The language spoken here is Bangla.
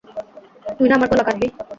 তুই না আমার গলা কাটবি?